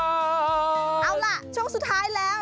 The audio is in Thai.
เอาล่ะช่วงสุดท้ายแล้ว